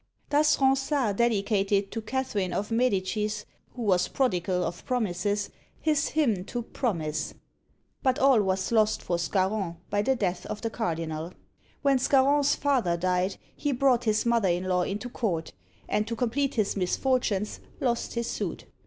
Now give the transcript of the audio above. Thus Ronsard dedicated to Catherine of Medicis, who was prodigal of promises, his hymn to PROMISE. But all was lost for Scarron by the death of the Cardinal. When Scarron's father died, he brought his mother in law into court; and, to complete his misfortunes, lost his suit.